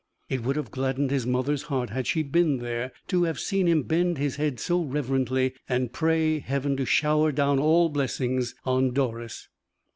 It would have gladdened his mother's heart had she been there to have seen him bend his head so reverently, and pray Heaven to shower down all blessings on Doris.